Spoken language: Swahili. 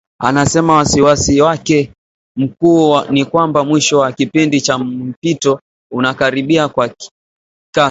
Anasema wasiwasi wake mkuu ni kwamba mwisho wa kipindi cha mpito unakaribia kwa kasi.